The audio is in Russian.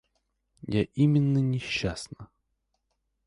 Я именно несчастна.